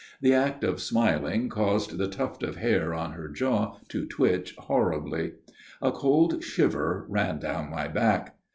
The act of smiling caused the tuft of hair on her jaw to twitch horribly. A cold shiver ran down my back.